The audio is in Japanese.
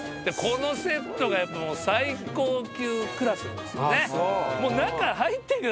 このセットがやっぱもう最高級クラスです。